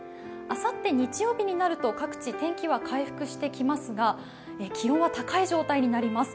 あさって日曜日になると各地天気は回復してきますが気温は高い状態になります。